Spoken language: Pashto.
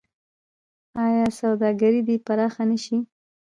آیا سوداګري دې پراخه نشي؟